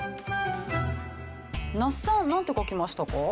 那須さんなんて書きましたか？